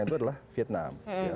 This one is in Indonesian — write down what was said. itu adalah vietnam